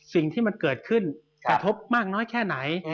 สิ่งที่มันเกิดขึ้นกระทบมากน้อยแค่ไหน